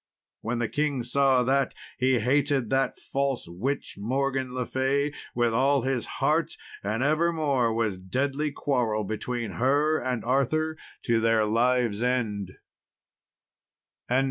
When the king saw that, he hated that false witch Morgan le Fay with all his heart, and evermore was deadly quarrel between her and Arthur to their lives' end.